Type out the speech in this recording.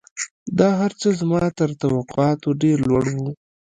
دا هرڅه زما تر توقعاتو ډېر لوړ وو